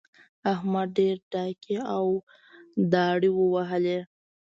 احمد ډېرې ډاکې او داړې ووهلې.